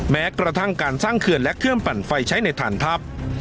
แม้กระทั่งการสร้างเขื่อนและเครื่องปั่นไฟใช้ในฐานทัพ